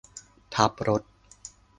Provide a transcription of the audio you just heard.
ทับรถ